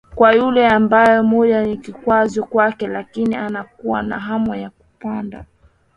kwa yule ambae muda ni kikwazo kwake lakini anakuwa na hamu ya kupanda